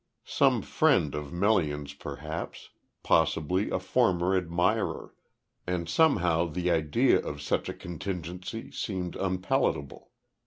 Some friend of Melian's perhaps, possibly a former admirer and somehow the idea of such a contingency seemed unpalatable.